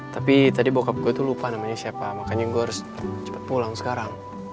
tapi tadi bokap gue itu lupa namanya siapa makanya gue harus cepat pulang sekarang